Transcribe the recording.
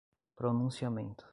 pronunciamento